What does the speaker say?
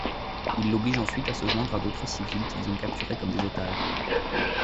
Ils l'obligent ensuite à se joindre à d'autres civils qu'ils ont capturés comme otages.